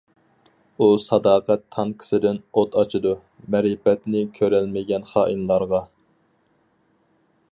ئۇ ساداقەت تانكىسىدىن ئوت ئاچىدۇ، مەرىپەتنى كۆرەلمىگەن خائىنلارغا.